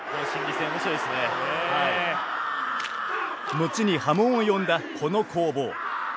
後に波紋を呼んだこの攻防。